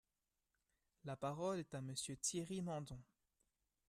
La parole est à Monsieur Thierry Mandon.